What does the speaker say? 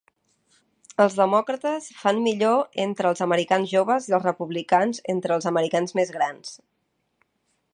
Els Demòcrates fan millor entre els americans joves i els Republicans entre els americans més grans.